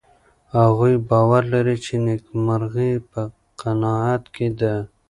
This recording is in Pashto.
هغوی باور لري چې نېکمرغي په قناعت کې ده.